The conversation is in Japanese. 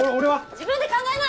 自分で考えな！